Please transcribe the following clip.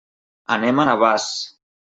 Anem a Navàs.